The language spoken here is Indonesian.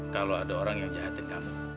kalau ada orang yang jahatin kamu